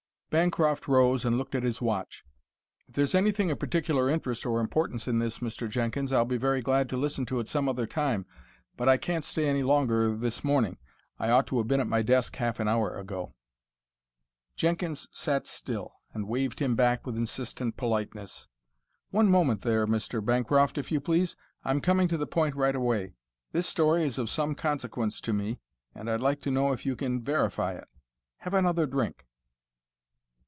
Bancroft rose and looked at his watch. "If there's anything of particular interest or importance in this, Mr. Jenkins, I'll be very glad to listen to it some other time; but I can't stay any longer this morning. I ought to have been at my desk half an hour ago." Jenkins sat still and waved him back with insistent politeness. "One moment more, Mr. Bancroft, if you please. I'm coming to the point right away. This story is of some consequence to me, and I'd like to know if you can verify it. Have another drink."